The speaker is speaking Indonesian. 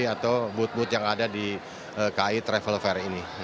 atau booth booth yang ada di kai travel fair ini